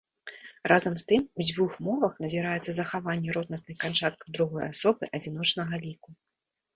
Разам з тым, у дзвюх мовах назіраецца захаванне роднасных канчаткаў другой асобы адзіночнага ліку.